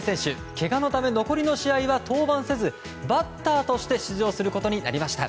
けがのため残りの試合は登板せずバッターとして出場することになりました。